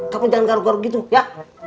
kamu jangan garuk garuk gitu ya